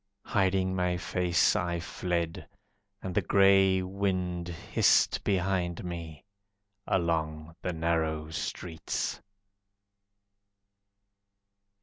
Hiding my face I fled, And the grey wind hissed behind me, Along the narrow streets.